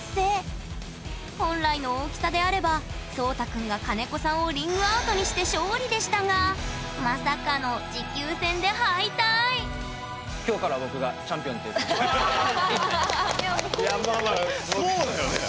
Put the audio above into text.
本来の大きさであればそうた君が金子さんをリングアウトにして勝利でしたがまさかの持久戦で敗退いやまあまあそうだよね。